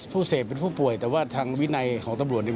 เสพเป็นผู้ป่วยแต่ว่าทางวินัยของตำรวจเนี่ย